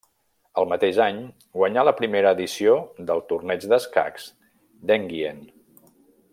El mateix any, guanyà la primera edició del Torneig d'escacs d'Enghien.